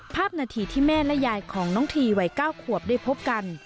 ภาพนาทีที่แม่และยายของน้องทีวัย๙ขวบได้พบกัน